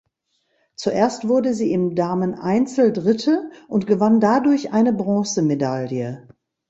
Zuerst wurde sie im Dameneinzel Dritte und gewann dadurch eine Bronzemedaille.